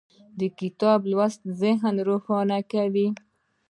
کتاب لوستل ذهن روښانه کوي